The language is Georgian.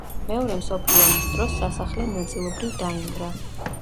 მეორე მსოფლიო ომის დროს სასახლე ნაწილობრივ დაინგრა.